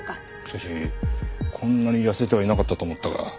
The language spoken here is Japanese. しかしこんなに痩せてはいなかったと思ったが。